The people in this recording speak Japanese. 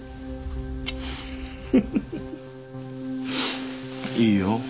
フフフッいいよ